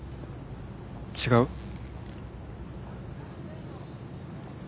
違う？